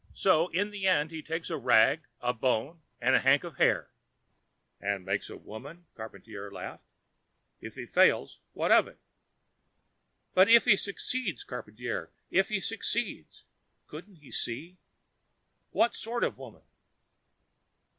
So, in the end, he takes a rag, and a bone, and a hank of hair " "And makes a woman?" Charpantier laughed. "If he fails, what of it?" "But if he succeeds, Charpantier! If he succeeds!" Couldn't he see? "What sort of woman?"